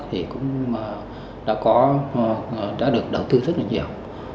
thì cũng đã được đầu tư rất là nhiều